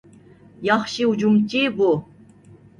ياخشى ھۇجۇمچى بۇ.